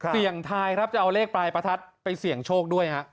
เสี่ยงทายครับจะเอาเลขปลายประทัดไปเสี่ยงโชคด้วยฮะ